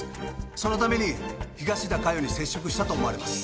そのために東田加代に接触したと思われます。